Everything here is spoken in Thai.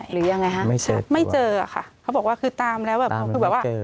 หรือยังไงคะค่ะไม่เจอค่ะเขาบอกว่าคือตามแล้วแบบว่า